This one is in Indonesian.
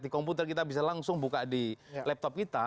di komputer kita bisa langsung buka di laptop kita